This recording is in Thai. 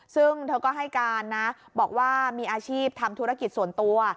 ซึ่งเธอก็ให้การนะบอกว่ามีอาชีพทำธุรกิจส่วนตัว